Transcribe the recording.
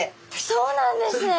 そうなんですね！